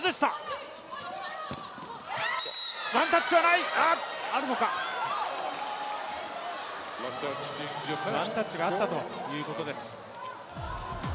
ワンタッチがあったということです。